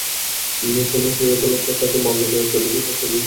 শুনানি শেষে আদালত তাঁকে মামলায় গ্রেপ্তার দেখিয়ে পাঁচ দিনের রিমান্ড মঞ্জুর করেন।